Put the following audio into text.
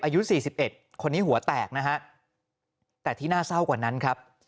อายุ๔๑คนนี้หัวแตกนะฮะแต่ที่น่าเศร้ากว่านั้นครับ